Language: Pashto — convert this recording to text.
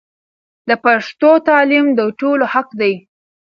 د پښتو تعلیم د ټولو حق دی.